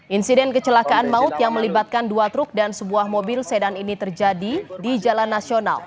insiden kecelakaan maut yang melibatkan dua truk dan sebuah mobil sedan ini terjadi di jalan nasional